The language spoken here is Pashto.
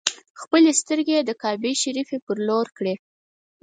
خپلې سترګې یې د کعبې شریفې پر لور کړې.